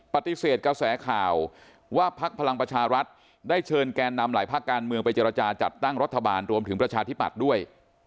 ปฏิเสธกระแสข่าวว่าพักพลังประชารัฐได้เชิญแกนนำหลายภาคการเมืองไปเจรจาจัดตั้งรัฐบาลรวมถึงประชาธิปัตย์ด้วย